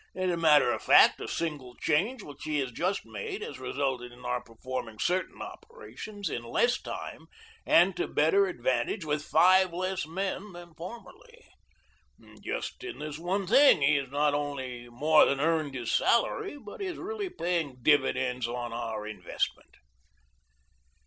As a matter of fact a single change which he has just made has resulted in our performing certain operations in less time and to better advantage with five less men than formerly. Just in this one thing he has not only more than earned his salary, but is really paying dividends on our investment."